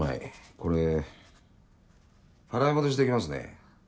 これ払い戻しできますね。